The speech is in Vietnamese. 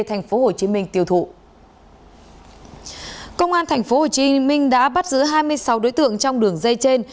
thành phố hồ chí minh đã bắt giữ hai mươi sáu đối tượng trong đường dây trên